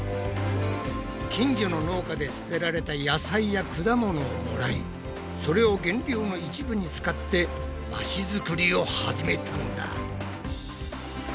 近所の農家で捨てられた野菜や果物をもらいそれを原料の一部に使って和紙作りを始めたんだ。